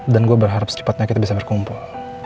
dan gue berharap secepatnya kita bisa berkumpul